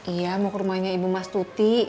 iya mau ke rumahnya ibu mas tuti